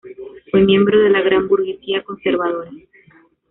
Fue miembro de la gran burguesía conservadora.